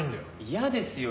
嫌ですよ